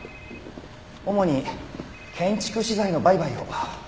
主に建築資材の売買を。